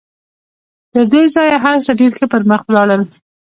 تر دې ځايه هر څه ډېر ښه پر مخ ولاړل.